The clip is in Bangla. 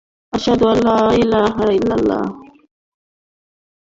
গ্রামে থেকে গেঁয়ো বনে যাসনি দেখছি।